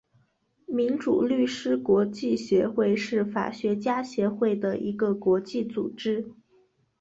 民主律师国际协会是法学家协会的一个国际组织。